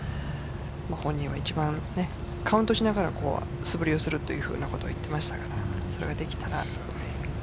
本人は一番カウントしながら素振りをするというふうなことを言っていましたからそれができたら。